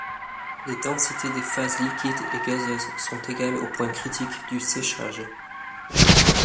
Les densités des phases liquides et gazeuses sont égales au point critique du séchage.